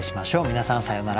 皆さんさようなら。